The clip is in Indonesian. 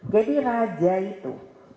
jadi raja itu